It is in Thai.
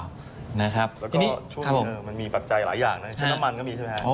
แล้วก็ช่วงนี้มันมีปัจจัยหลายอย่างนะเช่นน้ำมันก็มีใช่ไหมฮะ